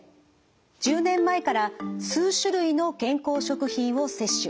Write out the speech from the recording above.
１０年前から数種類の健康食品を摂取。